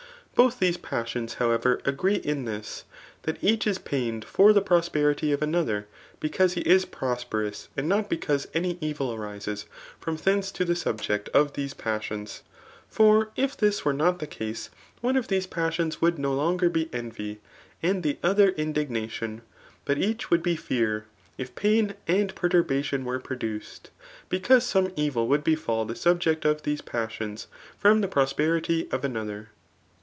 Both these passions, liowever, agree in this, that each is pained for the prosperity of another, because he is prosperous, and not because any evil arises from thence to the subject of these paa sions. For if this were not the case, one of these pas sions would no longer be envy, and the other indigna tion ; but each would be fear, if pain and perturbation were produced, because some evil would befal the sub ject of these passions from the prosperity of another.